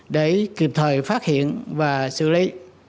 để kịp thời phát hiện và xử lý